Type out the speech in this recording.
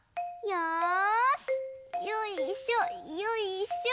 よいしょよいしょ。